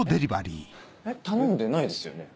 えっ頼んでないですよね？